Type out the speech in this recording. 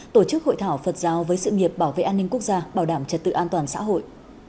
tổ chức hội thảo phật giáo với sự nghiệp bảo vệ an ninh quốc gia bảo đảm trật tự an toàn xã hội